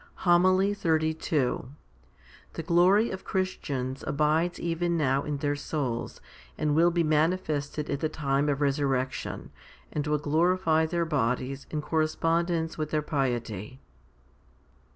15. HOMILY XXXII The glory of Christians abides even now in their souls, and will be manifested at the time of resurrection, and will glorify their bodies in correspondence with their piety.